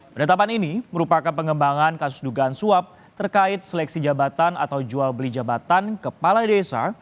penetapan ini merupakan pengembangan kasus dugaan suap terkait seleksi jabatan atau jual beli jabatan kepala desa